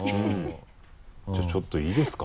じゃあちょっといいですか？